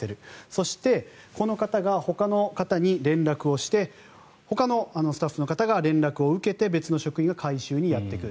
そしてこの方がほかの方に連絡をしてほかのスタッフの方が連絡を受けて別の職員が回収にやってくる。